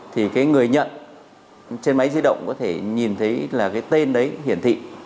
thì cái người nhận trên máy di động có thể nhìn thấy là cái tên đấy hiển thị